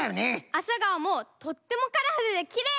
アサガオもとってもカラフルできれい！